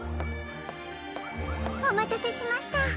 おまたせしました。